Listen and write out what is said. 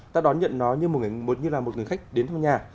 ta đón nhận nó như là một người khách đến thăm nhà